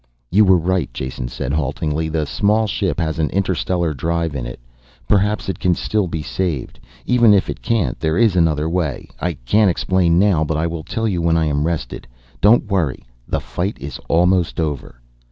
"You were right," Jason said haltingly. "The small ship has an interstellar drive in it. Perhaps it can still be saved. Even if it can't there is another way. I can't explain now, but I will tell you when I am rested. Don't worry. The fight is almost over."